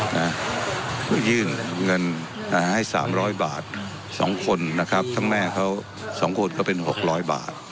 นะฮะยื่นเงินอ่าให้สามร้อยบาทสองคนนะครับทั้งแม่เขาสองคนก็เป็นหกร้อยบาท